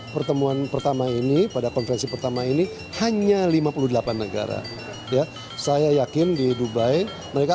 pertemuan pertama ini pada konferensi pertama ini hanya lima puluh delapan negara ya saya yakin di dubai mereka